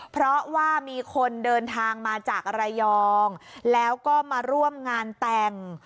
เพราะว่ามีคนเดินทางมาจากระยองแล้วก็มาร่วมงานแต่ง